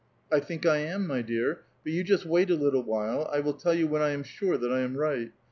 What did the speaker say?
" I think I am, my dear ; but you just wait a little while. 3 will tell you when I am sure that I am right.